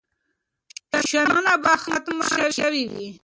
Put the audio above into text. شننه به ختمه شوې وي.